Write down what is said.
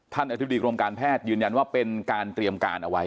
อธิบดีกรมการแพทย์ยืนยันว่าเป็นการเตรียมการเอาไว้